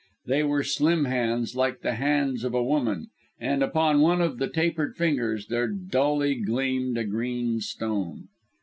They were slim hands, like the hands of a woman, and, upon one of the tapered fingers, there dully gleamed a green stone.